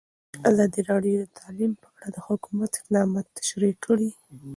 ازادي راډیو د تعلیم په اړه د حکومت اقدامات تشریح کړي.